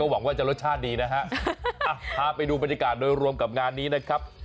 หวังว่าจะรสชาติดีนะฮะพาไปดูบรรยากาศโดยรวมกับงานนี้นะครับ